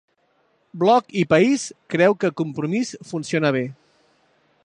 Bloc i País creu que Compromís funciona bé